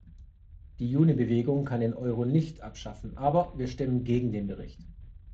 Die Junibewegung kann den Euro nicht abschaffen, aber wir stimmen gegen den Bericht.